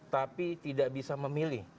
tapi tidak bisa memilih